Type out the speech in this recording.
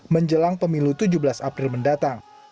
menjelang pemilu tujuh belas april mendatang